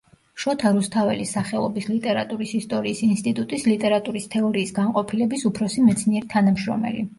შოთა რუსთაველის სახელობის ლიტერატურის ისტორიის ინსტიტუტის ლიტერატურის თეორიის განყოფილების უფროსი მეცნიერი თანამშრომელი.